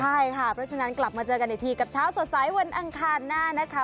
ใช่ค่ะเพราะฉะนั้นกลับมาเจอกันอีกทีกับเช้าสดใสวันอังคารหน้านะคะ